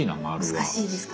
難しいですか？